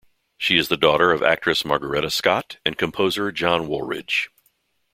She is the daughter of actress Margaretta Scott and composer John Wooldridge.